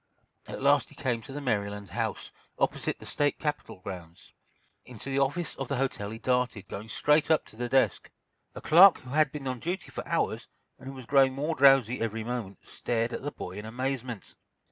At last he came to the Maryland House, opposite the State Capitol grounds. Into the office of the hotel he darted, going straight up to the desk. A clerk who had been on duty for hours, and who was growing more drowsy every moment, stared at the boy in amazement.